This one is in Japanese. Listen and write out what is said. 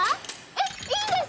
えっいいんですか！？